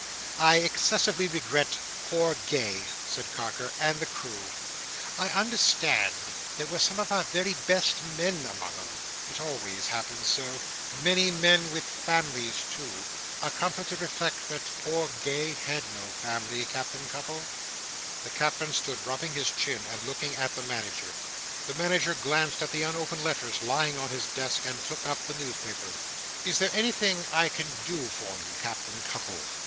"I excessively regret poor Gay," said Carker, "and the crew. I understand there were some of our very best men among 'em. It always happens so. Many men with families too. A comfort to reflect that poor Gay had no family, Captain Cuttle!" The Captain stood rubbing his chin, and looking at the Manager. The Manager glanced at the unopened letters lying on his desk, and took up the newspaper. "Is there anything I can do for you, Captain Cuttle?"